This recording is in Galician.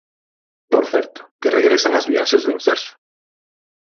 Por certo, que regresan as viaxes do Imserso.